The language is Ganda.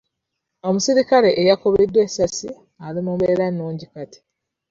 Omusirikale e yakubiddwa essasi ali mu mbeera nnungi kati.